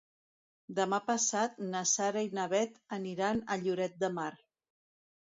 Demà passat na Sara i na Bet aniran a Lloret de Mar.